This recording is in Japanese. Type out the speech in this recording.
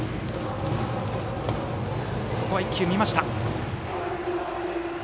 ここは１球見ました。